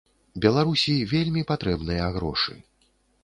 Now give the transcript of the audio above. Беларусі вельмі патрэбныя грошы.